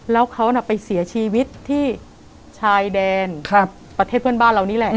แล้วเขาไปเสียชีวิตที่ชายแดนประเทศเพื่อนบ้านเรานี่แหละ